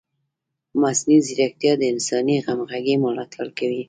مصنوعي ځیرکتیا د انساني همغږۍ ملاتړ کوي.